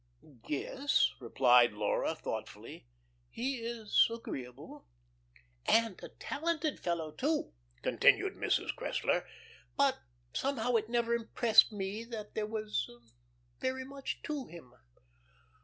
"Yes," replied Laura thoughtfully, "he is agreeable." "And a talented fellow, too," continued Mrs. Cressler. "But somehow it never impressed me that there was very much to him."